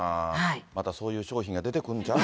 またそういう商品が出てくるんちゃう？